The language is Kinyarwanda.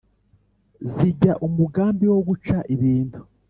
zijya umugambi wo guca ibintu